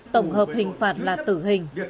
tổng hợp hình phạt là tử hình